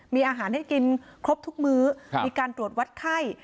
มีอาหารให้กินครบทุกมื้อมีการตรวจวัดไข้